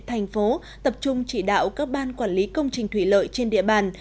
thành phố tập trung chỉ đạo các ban quản lý công trình thủy lợi trên địa bàn